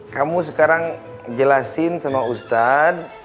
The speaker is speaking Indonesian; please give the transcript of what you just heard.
kamu sekarang jelasin sama ustadz